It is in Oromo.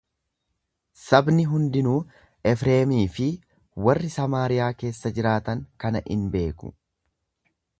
Sabni hundinuu, Efreemii fi warri Samaariyaa keessa jiraatan kana in beeku.